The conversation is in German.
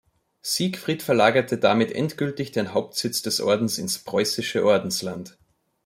Siegfried verlagerte damit endgültig den Hauptsitz des Ordens ins preußische Ordensland.